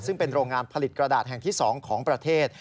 ซึ่งเป็นโรงงานผลิตกระดาษแห่งที่๒ของประเทศ